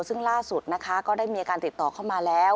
ซึ่งล่าสุดนะคะก็ได้มีการติดต่อเข้ามาแล้ว